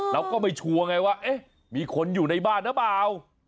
เราก็ไม่ชัวร์ไงว่าเอ๊ะมีคนอยู่ในบ้านหรือเปล่า